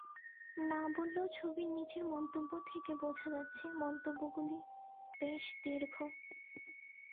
না বললেও ছবির নিচের মন্তব্য থেকে বোঝা যাচ্ছে মন্তব্যগুলি বেশ দীর্ঘ।